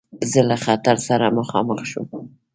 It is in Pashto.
زه له خطر سره مخامخ شوم.